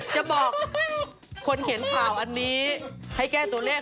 จะบอกคนเห็นข่าวอันนี้ให้แก้ตัวเลข